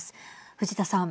藤田さん。